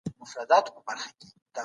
مچۍ تل د ګلونو په لټه کې وي.